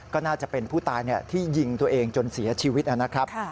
ก็น่าจะเป็นผู้ตายที่ยิงตัวเองจนเสียชีวิตนะครับ